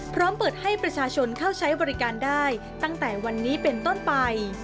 พร้อมเปิดให้ประชาชนเข้าใช้บริการได้ตั้งแต่วันนี้เป็นต้นไป